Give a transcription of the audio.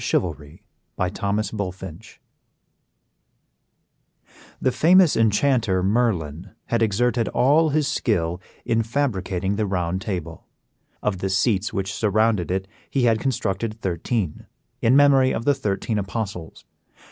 ] CHAPTER XV THE ROUND TABLE The famous enchanter, Merlin, had exerted all his skill in fabricating the Round Table. Of the seats which surrounded it he had constructed thirteen, in memory of the thirteen Apostles.